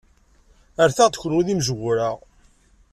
Rret-aɣ-d kenwi d imezwura.